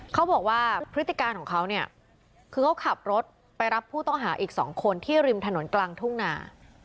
เขาบอกว่าพฤติการของเขาเนี่ยคือเขาขับรถไปรับผู้ต้องหาอีก๒คนที่ริมถนนกลางทุ่งนา